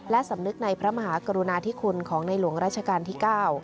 และสำนึกในพระมหากรุณาธิคุณของในหลวงราชการที่๙